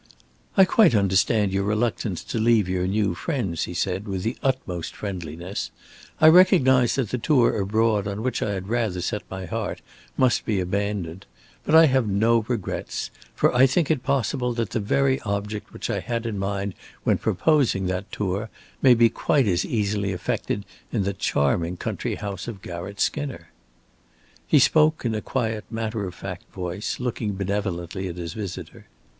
"I quite understand your reluctance to leave your new friends," he said, with the utmost friendliness. "I recognize that the tour abroad on which I had rather set my heart must be abandoned. But I have no regrets. For I think it possible that the very object which I had in mind when proposing that tour may be quite as easily effected in the charming country house of Garratt Skinner." He spoke in a quiet matter of fact voice, looking benevolently at his visitor.